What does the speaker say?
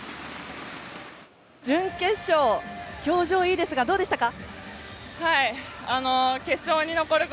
準決勝、表情いいですがどうでしたか？